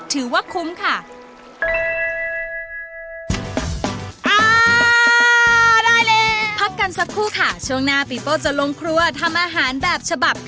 ถือว่าคุ้มค่ะ